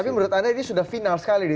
tapi menurut anda ini sudah final sekali